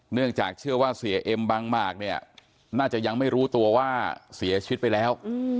เนื่องจากเชื่อว่าเสียเอ็มบางหมากเนี่ยน่าจะยังไม่รู้ตัวว่าเสียชีวิตไปแล้ว